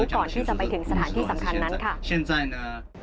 ก่อนที่จะไปถึงสถานที่สำคัญนั้นค่ะ